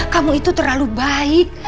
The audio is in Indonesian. kamu itu terlalu baik